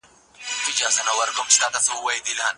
بهادر خان د پاچا بازو بلل کېده او شاعري يې هم کوله.